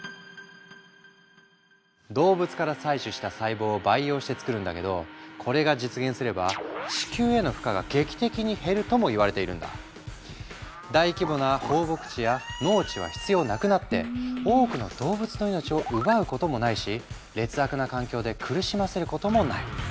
動物から採取した細胞を培養して作るんだけどこれが実現すれば大規模な放牧地や農地は必要なくなって多くの動物の命を奪うこともないし劣悪な環境で苦しませることもない。